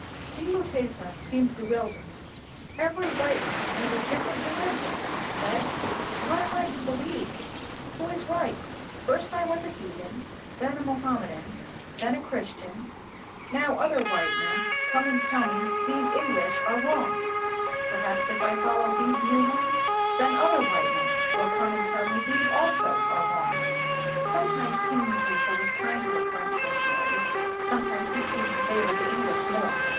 King Mutesa seemed bewildered. '' Every white man has a different religion," he said. "What am I to believe? Who is right? 104 WHITE MEN AND BLACK MEN First I was a heathen, then a Mohammedan, then a Christian; now other white men come and tell me these English are wrong. Perhaps if I follow these new men, then other white men will come and tell me these also are wrong." Sometimes King Mu tesa was kind to the French missionaries: sometimes he seemed to favor the English more.